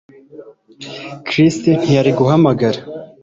Chris ntiyari guhamagara